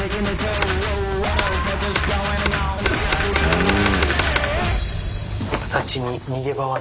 うん！